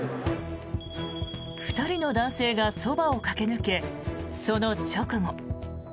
２人の男性がそばを駆け抜けその直後。